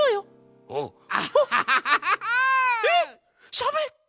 しゃべった！